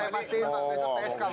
saya pasti pak besok tsk pak